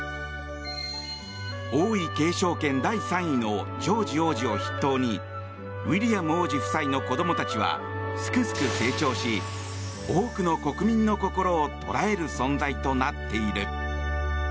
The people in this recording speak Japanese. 王位継承権第３位のジョージ王子を筆頭にウィリアム王子夫妻の子供たちはすくすく成長し多くの国民の心を捉える存在となっている。